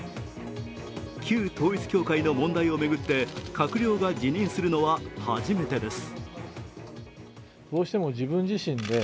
旧統一教会の問題を巡って閣僚が辞任するのは初めてです。